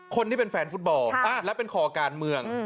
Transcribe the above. คนที่เป็นแฟนฟุตบอลและเป็นคอการเมือง